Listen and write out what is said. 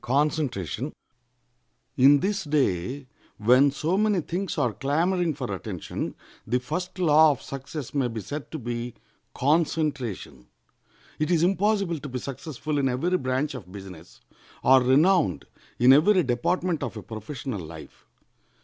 ] In this day, when so many things are clamoring for attention, the first law of success may be said to be concentration. It is impossible to be successful in every branch of business, or renowned in every department of a professional life.